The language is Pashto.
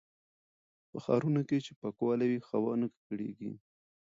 په ښارونو کې چې پاکوالی وي، هوا نه ککړېږي.